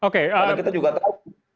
karena kita juga tahu